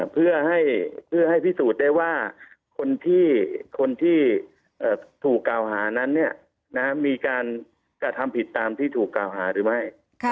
เพื่อให้พิสูจน์ได้ว่าคนที่ถูกกล่าวหานั้นมีการกระทำผิดตามที่ถูกกล่าวหาหรือไม่